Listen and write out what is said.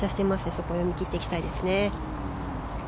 そこへ思い切っていきたいですね。